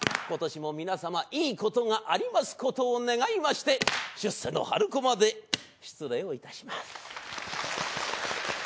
今年も皆様いいことがありますことを願いまして『出世の春駒』で失礼をいたします。